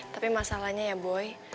tapi masalahnya ya boy